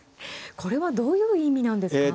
これはどういう意味なんですか。